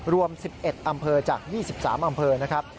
รวม๑๑อำเภอจาก๒๓อำเภอนะครับ